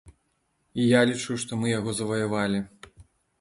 І я лічу, што мы яго заваявалі.